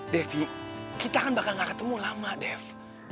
dewi kita kan bakal nggak ketemu lama dev